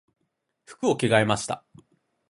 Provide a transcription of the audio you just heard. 服を着替えました。